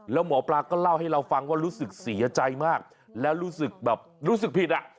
แล้วหมอปลาก็เล่าให้เราฟังว่ารู้สึกเสียใจมากแล้วรู้สึกแบบรู้สึกผิดอ่ะ